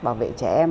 và bảo vệ trẻ em